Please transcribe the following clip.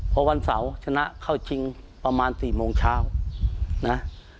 พอวันเสาร์ชนะเข้าชิงประมาณ๔โมงเช้านะ